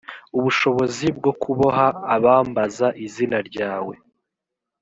ubushobozi bwo kuboha abambaza izina ryawe